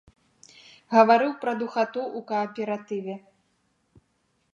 Гаварыў пра духату ў кааператыве.